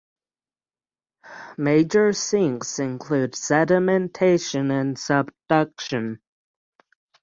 Major sinks include sedimentation and subduction.